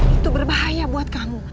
itu berbahaya buat kamu